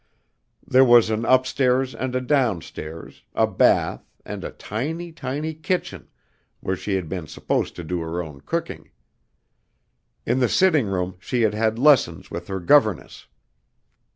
There was an "upstairs and a downstairs," a bath, and a "tiny, tiny kitchen" where she had been supposed to do her own cooking. In the sitting room she had had lessons with her governess.